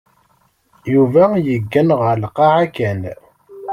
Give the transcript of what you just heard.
Yuba yeggan ɣer lqaεa kan.